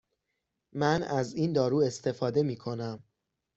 من از این دارو استفاده می کنم.